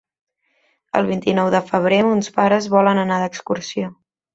El vint-i-nou de febrer mons pares volen anar d'excursió.